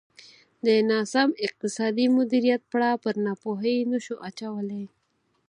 د ناسم اقتصادي مدیریت پړه پر ناپوهۍ نه شو اچولای.